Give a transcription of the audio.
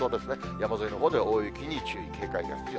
山沿いのほうでは大雪に注意、警戒が必要。